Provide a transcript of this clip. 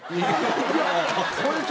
いや。